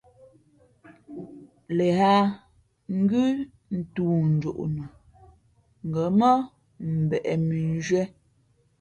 Līā ngʉ́ toonjoʼ no, ngα̌ mά mbeʼ mʉnzhwē.